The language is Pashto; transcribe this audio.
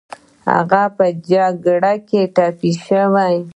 هغه په جګړه کې ټپي شو